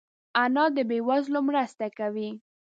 انا د بې وزلو مرسته کوي